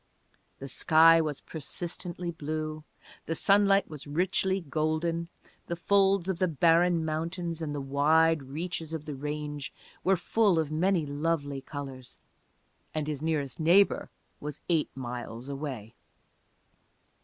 The sky was persistently blue, the sunlight was richly golden, the folds of the barren mountains and the wide reaches of the range were full of many lovely colors, and his nearest neighbor was eight miles away.